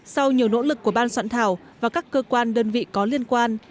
sau nhiều nỗ lực của ban soạn thảo và các cơ quan đơn vị có liên quan